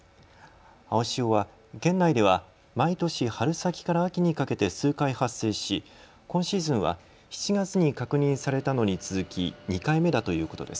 青潮は県内では毎年春先から秋にかけて数回発生し今シーズンは７月に確認されたのに続き３回目だということです。